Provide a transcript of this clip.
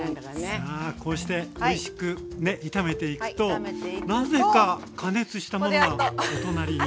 さあこうしておいしくね炒めていくとなぜか加熱したものがお隣に。